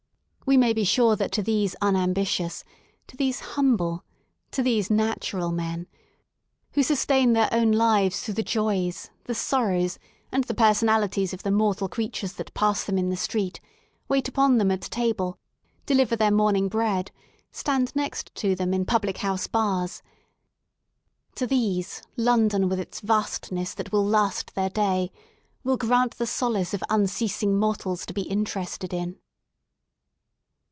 We nriay be sure that to these unambitious, to these humble, to these natural men, who sustain their own lives through the joys, the sorrows, and the person alities of the mortal creatures that pass them in the street, wait upon them at table, deliver their morning bread, stand next to them in public house bars — to these London with its vastness that will last their day, will grant the solace of unceasing mortals to be interested in.